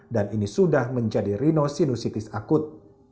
dan ini sudah menjadi rhinosinusitis akut